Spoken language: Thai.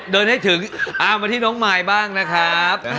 เดินให้ถึงมาที่เนอะไม่บ้างนะครับ